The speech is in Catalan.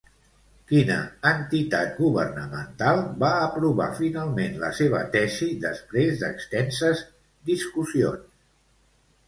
Quina entitat governamental va aprovar finalment la seva tesi després d'extenses discussions?